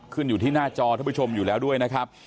ขึ้นอยู่ที่หน้าจอท่านผู้ชมอยู่แล้วด้วยนะครับ